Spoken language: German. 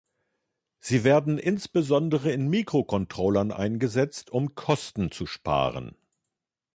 Sie werden insbesondere in Mikrocontrollern eingesetzt, um Kosten zu sparen.